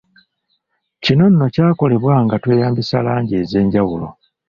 Kino nno kyakolebwa nga tweyambisa langi ez’enjawulo.